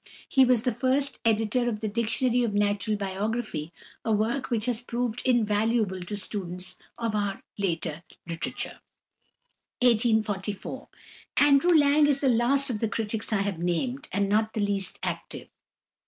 He was the first editor of the Dictionary of National Biography, a work which has proved invaluable to students of our later literature. =Andrew Lang (1844 )= is the last of the critics I have named, and not the least active.